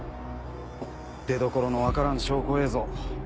出どころの分からん証拠映像。